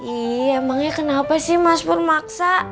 iya emangnya kenapa sih mas purmaksa